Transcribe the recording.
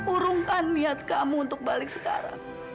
urungkan niat kamu untuk balik sekarang